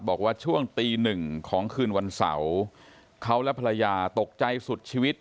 บอกว่าช่วงตีหนึ่งของคืนวันเสาร์เขาและภรรยาตกใจสุดชีวิต